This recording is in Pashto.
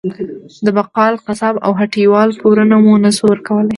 د بقال، قصاب او هټۍ وال پورونه مو نه شو ورکولی.